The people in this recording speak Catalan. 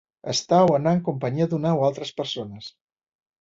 Estar o anar en companyia d'una o altres persones.